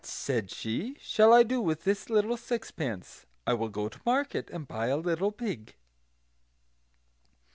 "What," said she, "shall I do with this little sixpence? I will go to market, and buy a little pig."